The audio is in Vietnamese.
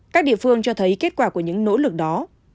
các địa phương cho thấy kết quả của những nỗ lực đó